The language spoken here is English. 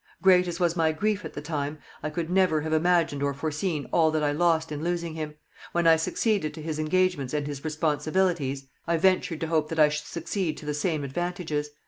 Great as was my grief at the time, I could never have imagined or foreseen all that I lost in losing him. When I succeeded to his engagements and his responsibilities, I ventured to hope that I should succeed to the same advantages.